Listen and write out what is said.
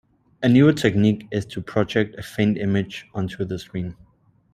A newer technique is to project a faint image onto the screen.